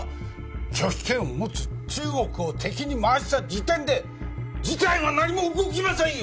拒否権を持つ中国を敵に回した時点で事態は何も動きませんよ！